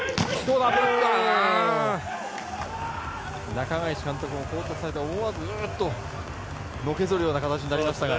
中垣内監督もコートサイドで思わず、うーんとのけぞるような形になりましたが。